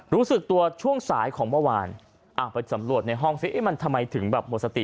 รู้สึกตัวช่วงสายของเมื่อวานไปสำรวจในห้องซิเอ๊ะมันทำไมถึงแบบหมดสติ